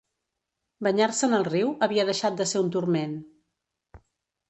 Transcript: Banyar-se en el riu havia deixat de ser un turment